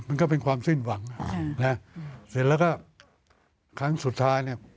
มันก็เป็นความสิ้นหวังเสร็จแล้วก็ครั้งสุดท้ายเนี่ย